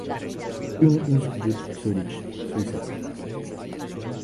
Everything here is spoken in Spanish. Jung-Institut Zürich, Suiza.